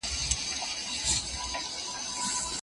د فاسدې نکاح په سبب د ميرمنې عده کله واجبېږي؟